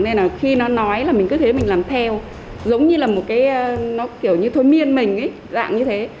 nên là khi nó nói là mình cứ thế mình làm theo giống như là một cái nó kiểu như thôn miên mình ấy dạng như thế